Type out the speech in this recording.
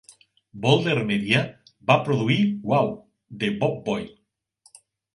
Bolder Media va produir Wow! de Bob Boyle.